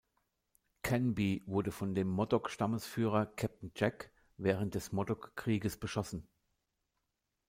Canby wurde von dem Modoc Stammesführer Captain Jack während des Modoc Krieges beschossen.